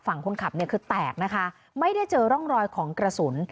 ฝั่งคนขับเนี่ยคือแตกนะคะไม่ได้เจอร่องรอยของกระสุน